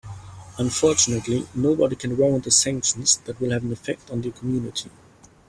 Unfortunately, nobody can warrant the sanctions that will have an effect on the community.